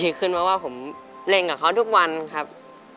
ขึ้นเพราะว่าผมเล่นกับเขาทุกวันครับ